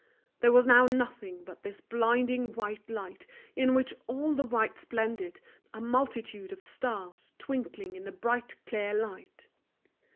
There was now nothing but this blinding white light in which all the whites blended, a multitude of stars twinkling in the bright clear light.